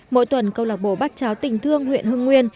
mỗi tuần câu lạc bộ bác cháo tình thương huyện hưng nguyên